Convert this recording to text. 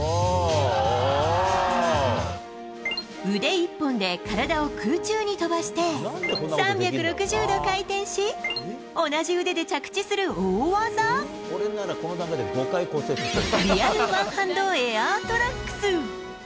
腕１本で体を空中に飛ばして、３６０度回転し、同じ腕で着地する大技、リアルワンハンドエアートラックス。